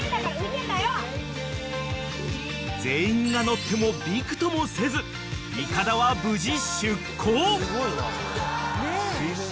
［全員が乗ってもびくともせずいかだは無事］